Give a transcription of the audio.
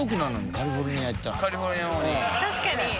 確かに。